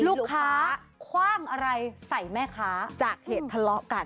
ลูกค้าคว่างอะไรใส่แม่ค้าจากเหตุทะเลาะกัน